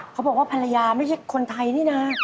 เขาบอกว่าภรรยาไม่ใช่คนไทยนี่นะ